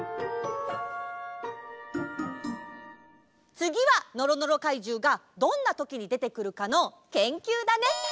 つぎはのろのろかいじゅうがどんなときにでてくるかの研究だね！